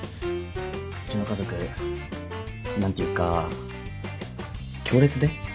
うちの家族何ていうか強烈で。